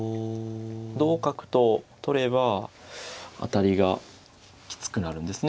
同角と取れば当たりがきつくなるんですね。